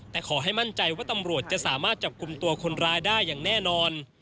แต่ขอให้มั่นใจว่าตำรวจจะสามารถจับกลุ่มตัวคนร้ายได้อย่างแน่นอน